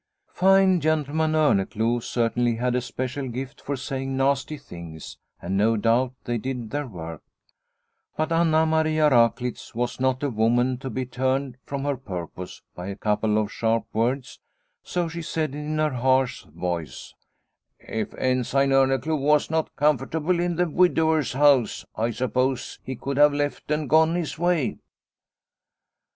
Fine gentleman Orneclou certainly had a special gift for saying nasty things, and no doubt they did their work, but Anna Maria Raklitz was not a woman to be turned from her purpose by a couple of sharp words, so she said in her harsh voice : "If Ensign Orneclou was not comfortable in the widower's house, I suppose he could have left and gone his way."